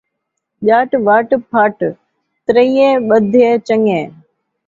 ڄٹ ، وٹ ، پھٹ ، تریہے ٻدھے چن٘ڳے